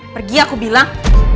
pergi aku bilang